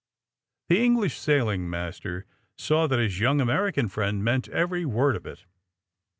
The English sailing master saw that his young American friend meant every word of it.